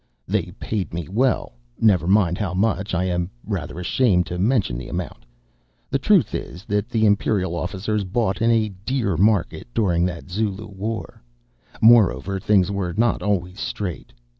They paid me, well, never mind how much—I am rather ashamed to mention the amount. The truth is that the Imperial officers bought in a dear market during that Zulu War; moreover, things were not always straight.